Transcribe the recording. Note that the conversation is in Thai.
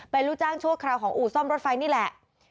เป็นลูกจ้างชั่วคราวของอู่ซ่อมรถไฟนี่แหละ